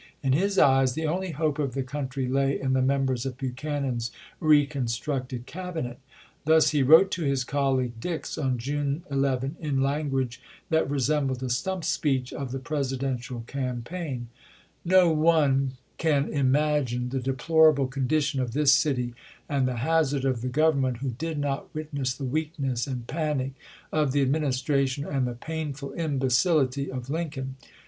In his eyes the only hope of the country lay in the members of Buchanan's reconstructed Cabinet. Thus he 1861. wrote to his colleague Dix, on June 11, in language that resembled a stump speech of the Presidential campaign : No one can imagine the deplorable condition of this city and the hazard of the Government, who did not wit ness the weakness and panic of the Administration, and the painful imbeciUty of Lincoln.